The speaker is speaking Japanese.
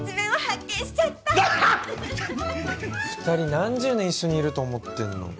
２人何十年一緒にいると思ってるの？